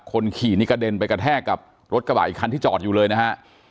คนขี่นี่กระเด็นไปกระแทกกับรถกระบะอีกคันที่จอดอยู่เลยนะฮะ